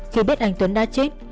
khi biết anh tuấn đã chết